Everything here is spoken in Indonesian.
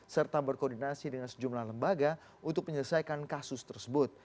serta berkoordinasi dengan sejumlah lembaga untuk menyelesaikan kasus tersebut